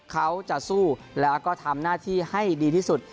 เขาจะสู้แล้วก็ทำหน้าที่ให้ดีที่สุด